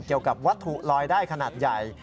เกี่ยวกับวัตถุลอยได้ขนาดใหญ่